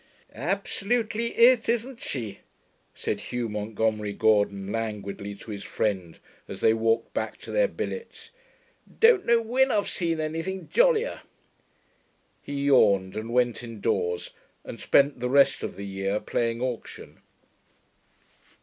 'Absolutely it, isn't she?' said Hugh Montgomery Gordon languidly to his friend as they walked back to their billets. 'Don't know when I've seen anything jollier.' He yawned and went indoors, and spent the rest of the year playing auction.